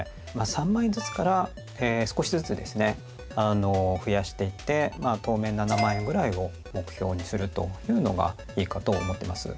３万円ずつから少しずつですね増やしていって当面７万円ぐらいを目標にするというのがいいかと思ってます。